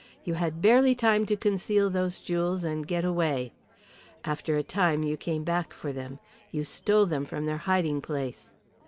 You had barely time to conceal those jewels and get away. After a time you came back for them. You stole them from their hiding place."